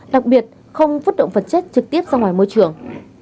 đặc biệt không vứt động vật chết trực tiếp ra ngoài môi trường